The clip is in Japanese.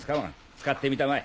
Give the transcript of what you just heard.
使ってみたまえ。